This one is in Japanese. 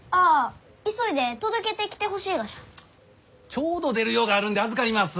ちょうど出る用があるんで預かります。